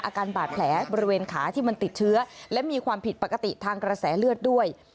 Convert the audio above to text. อาการบาดแผลบริเวณขาที่มันติดเชื้อและมีความผิดปกติทางกระแสเลือดด้วย